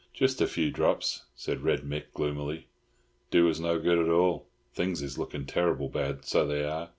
"Jist a few drops," said Red Mick gloomily. "Do us no good at all. Things is looking terrible bad, so they are.